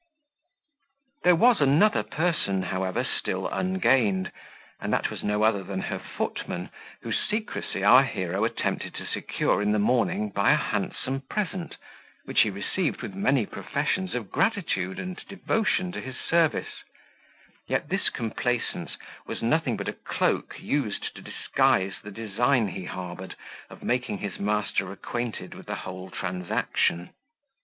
There was another person, however, still ungained; and that was no other than her footman, whose secrecy our hero attempted to secure in the morning by a handsome present, which he received with many professions of gratitude and devotion to his service; yet this complaisance was nothing but a cloak used to disguise the design he harboured of making his master acquainted with the whole transaction.